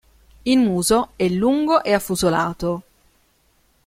Il muso è lungo e affusolato.